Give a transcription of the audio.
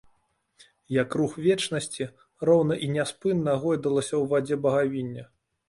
Як рух вечнасці, роўна і няспынна гойдалася ў вадзе багавінне.